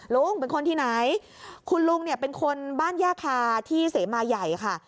ลุงเป็นคนที่ไหนคุณลุงเนี่ยเป็นคนบ้านย่าคาที่เสมาใหญ่ค่ะ